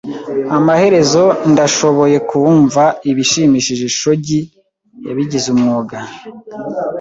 Amaherezo ndashoboye kumva ibishimishije shogi yabigize umwuga.